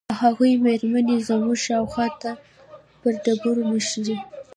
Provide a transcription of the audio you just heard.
د هغوې مرمۍ زموږ شاوخوا ته پر ډبرو مښتې.